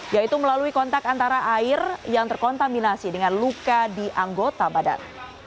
yaitu melalui kontak antara air yang terkontaminasi dengan luka di anggota badan